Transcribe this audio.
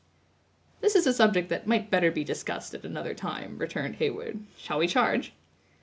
"This is a subject that might better be discussed at another time," returned Heyward; "shall we charge?"